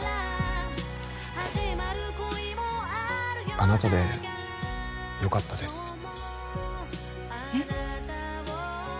あなたでよかったですえっ？